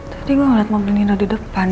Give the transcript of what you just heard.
tadi gue ngeliat mobilnya udah di depan